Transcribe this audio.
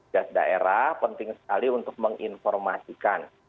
gas daerah penting sekali untuk menginformasikan